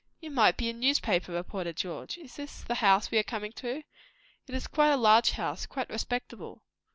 "You might be a newspaper reporter, George! Is this the house we are coming to? It is quite a large house; quite respectable."